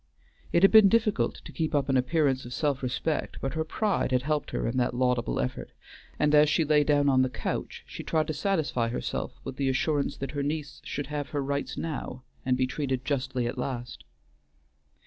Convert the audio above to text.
It had been difficult to keep up an appearance of self respect, but her pride had helped her in that laudable effort, and as she lay down on the couch she tried to satisfy herself with the assurance that her niece should have her rights now, and be treated justly at last.